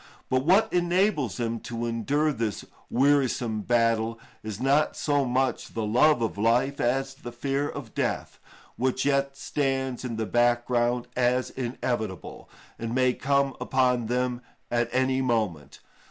But what enables them to endure this wearisome battle is not so much the love of life as the fear of death, which yet stands in the background as inevitable, and may come upon them at any moment.